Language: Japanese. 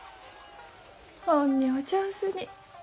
ほんにお上手に。